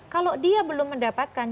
kalau dia belum mendapatkan